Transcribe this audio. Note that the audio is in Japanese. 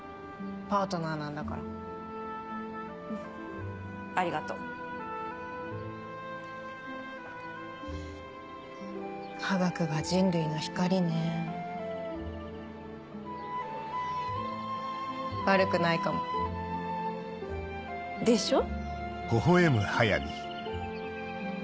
パートナーなんだからうんありがとう科学が人類の光ねぇ悪くないかもでしょ？